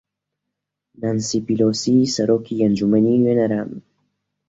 نانسی پیلۆسی سەرۆکی ئەنجومەنی نوێنەران